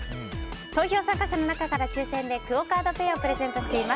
投票参加者の方から抽選でクオ・カードペイをプレゼントしています。